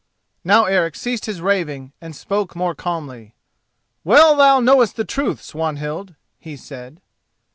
Now Eric ceased his raving, and spoke more calmly. "Well thou knowest the truth, Swanhild," he said.